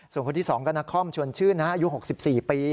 ส่วนคนที่๒ก็นครชวนชื่นอายุ๖๔ปี